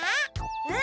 うん。